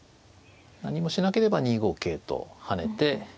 何もしなければ２五桂と跳ねて